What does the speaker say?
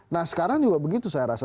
nah sekarang juga begitu saya rasa